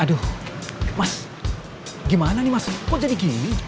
aduh mas gimana nih mas kok jadi gini